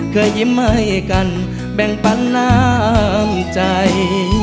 เคยยิ้มให้กันแบ่งปันน้ำใจ